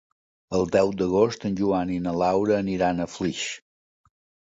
El deu d'agost en Joan i na Laura aniran a Flix.